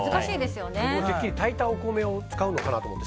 てっきり炊いたお米を使うのかなって。